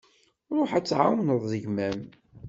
Ruḥ ad tɛawneḍ gma-m.